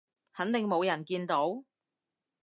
肯定冇人見到？